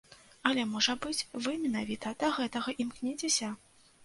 Але, можа быць, вы менавіта да гэтага імкнецеся?